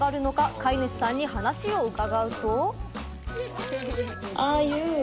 飼い主さんに話を伺うと。